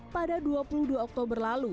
pada dua puluh dua oktober lalu